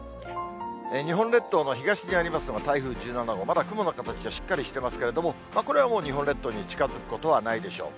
日本列島の東にありますのが台風１７号、まだ雲の形はしっかりしてますけれども、これはもう日本列島に近づくことはないでしょう。